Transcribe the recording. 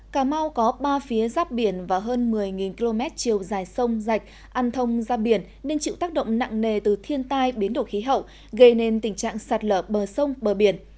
cà mau có ba phía giáp biển và hơn một mươi km chiều dài sông dạch ăn thông giáp biển nên chịu tác động nặng nề từ thiên tai biến đổi khí hậu gây nên tình trạng sạt lở bờ sông bờ biển